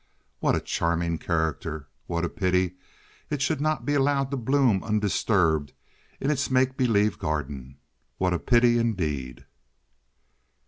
What a charming character! What a pity it should not be allowed to bloom undisturbed in its make believe garden! What a pity, indeed!